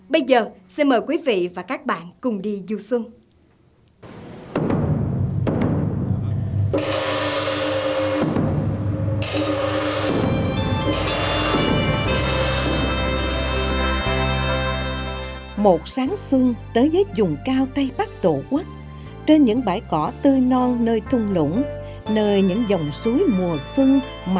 bây giờ xin mời quý vị và các bạn cùng đi du xuân